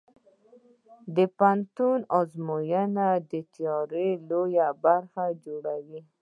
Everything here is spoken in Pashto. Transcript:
د پوهنتون ازموینې د تیاری لویه برخه جوړوي.